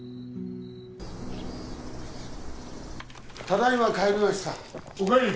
ただいま帰りましたお帰り！